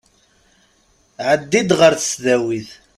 Ɛeddi-d ɣer tesdawit.